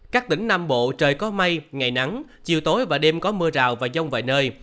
các tỉnh nam bộ trời có mây ngày nắng chiều tối và đêm có mưa rào và dông vài nơi